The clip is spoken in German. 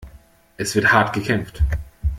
Es wird hart gekämpft.